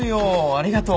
ありがとう！